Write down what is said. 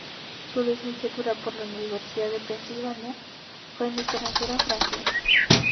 Su licenciatura, por la Universidad de Pensilvania, fue en literatura francesa.